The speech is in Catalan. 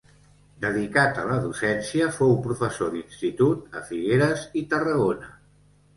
Dedicat a la docència, fou professor d'institut a Figueres i Tarragona.